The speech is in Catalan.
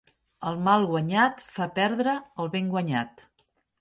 El mal guanyat fa perdre el ben guanyat.